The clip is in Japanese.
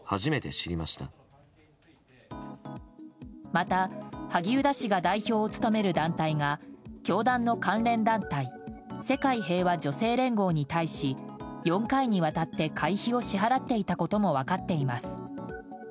また、萩生田氏が代表を務める団体が教団の関連団体世界平和女性連合に対し４回にわたって会費を支払っていたことも分かっています。